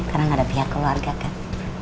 karena gak ada pihak keluarga kan